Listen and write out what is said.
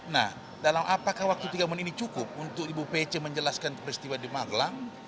nah dalam apakah waktu tiga menit ini cukup untuk ibu pece menjelaskan peristiwa di magelang